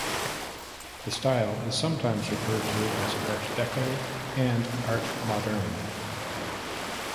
The style is sometimes referred to as Art Deco and Art Moderne.